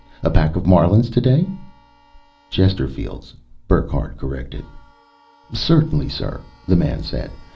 A pack of Marlins today?" "Chesterfields," Burckhardt corrected. "Certainly, sir," the man said.